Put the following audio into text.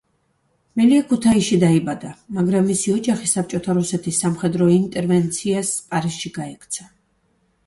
მელია ქუთაისში დაიბადა, მაგრამ მისი ოჯახი საბჭოთა რუსეთის სამხედრო ინტერვენციას პარიზში გაექცა.